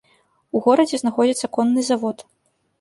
У горадзе знаходзіцца конны завод.